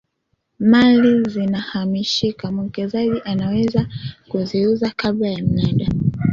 mali zinahamishika mwekezaji anaweza kuziuza kabla ya mnada